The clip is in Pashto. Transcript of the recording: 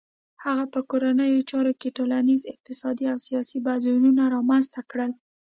هغه په کورنیو چارو کې ټولنیز، اقتصادي او سیاسي بدلونونه رامنځته کړل.